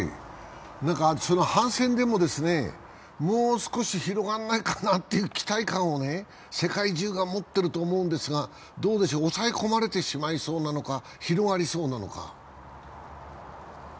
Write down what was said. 反戦デモですね、もう少し広がらないかなという期待感を世界中が持っていると思うんですが、抑え込まれてしまいそうなのか広がりそうなのか。